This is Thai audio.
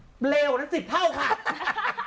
อืมเลวนั้น๑๐เท่าค่ะ